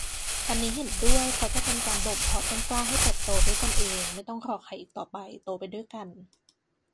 อันนี้เห็นด้วยเพราะจะเป็นการบ่มเพาะต้นกล้าให้เติบโตด้วยตนเอง ไม่ต้องรอใครอีกต่อไป โตไปด้วยกัน